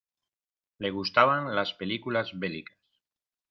Le gustaban las películas bélicas.